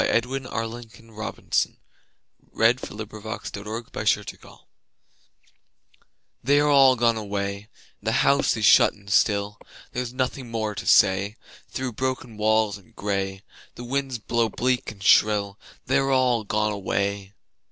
Edwin Arlington Robinson The House on the Hill THEY are all gone away, The house is shut and still, There is nothing more to say. Through broken walls and gray The winds blow bleak and shrill: They are all gone away.